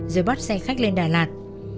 rồi bắt xe khách lên đà lạt